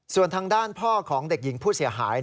ส่วนทางด้านพ่อของเด็กหญิงผู้เสียหาย